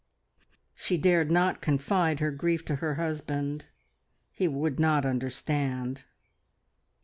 She dared not confide her grief to her husband. He would not understand.